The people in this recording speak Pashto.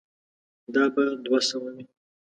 دا به دوه سوه وي.